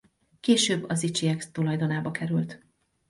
Később a Zichyek tulajdonába került.